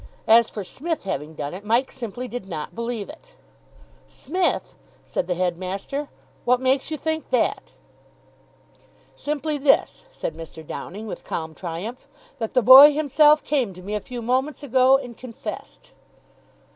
As for Psmith having done it, Mike simply did not believe it. "Smith!" said the headmaster. "What makes you think that?" "Simply this," said Mr. Downing, with calm triumph, "that the boy himself came to me a few moments ago and confessed."